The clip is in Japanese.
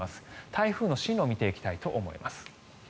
台風の進路を見ていきたいと思います。